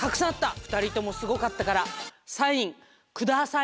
ふたりともすごかったからあサインをください